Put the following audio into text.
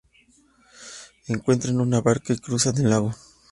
Encuentran una barca y cruzan el lago.